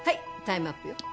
タイムアップよ